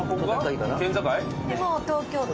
もう東京都？